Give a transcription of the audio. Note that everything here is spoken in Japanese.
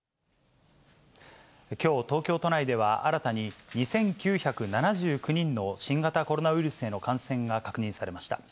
きょう、東京都内では新たに２９７９人の新型コロナウイルスへの感染が確認されました。